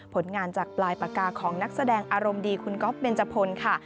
ผลงานจากปลายปากกาของนักแสดงอารมณ์ดีคุณก๊อฟเบนจพลค่ะ